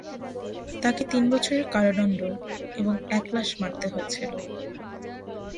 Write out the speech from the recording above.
তাকে তিন বছরের কারাদণ্ড এবং এক লাশ মারতে হয়েছিল।